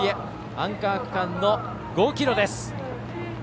アンカー区間の５ｋｍです。